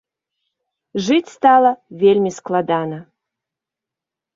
Жыць стала вельмі складана.